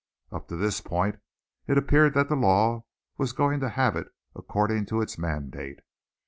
Up to this point it appeared that the law was going to have it according to its mandate.